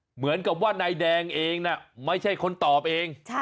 เหมือนกับว่านายแดงเองไม่ใช่คนตอบเอง